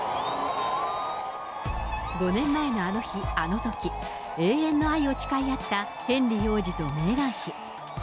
５年前のあの日あの時、永遠の愛を誓い合ったヘンリー王子とメーガン妃。